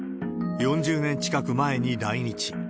４０年近く前に来日。